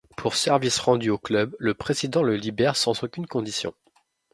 Pour services rendus au club, le président le libère sans aucune condition.